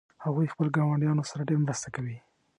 هغوی خپل ګاونډیانو سره ډیره مرسته کوي